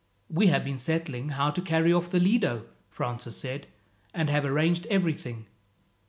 "We have been settling how to carry off the Lido," Francis said, "and have arranged everything."